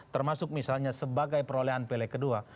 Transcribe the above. termasuk misalnya sebagai perolehan pilih kedua